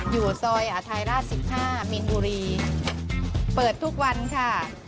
อยู่ซอยไทยราช๑๕มินบุรีเปิดทุกวันค่ะ